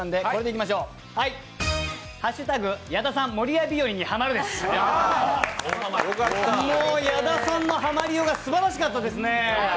もう矢田さんのハマりようがすごかったですね。